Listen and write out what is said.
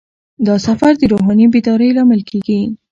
دا سفر د روحاني بیدارۍ لامل کیږي.